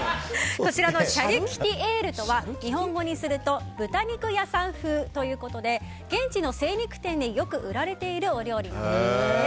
こちらのシャルキュティエールとは日本語にすると豚肉屋風で現地の豚肉屋さんでよく売られているお料理なんだそうです。